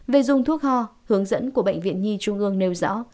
về dùng thuốc ho hướng dẫn của bệnh viện nhi trung ương nêu rõ